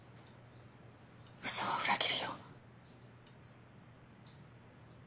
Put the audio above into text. ウソは裏切りよ。